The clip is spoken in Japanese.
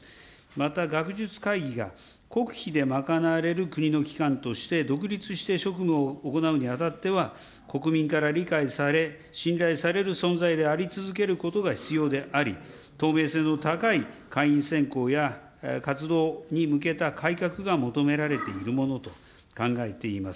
また、学術会議が、国費で賄われる国の機関として独立して職務を行うにあたっては、国民から理解され、信頼される存在であり続けることが必要であり、透明性の高い会員選考や、活動に向けた改革が求められているものと考えています。